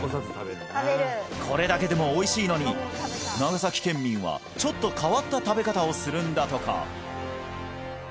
これだけでもおいしいのに長崎県民はちょっと変わった食べ方をするんだとか